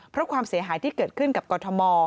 เพราะความเสียหายที่เกิดขึ้นกับกรทม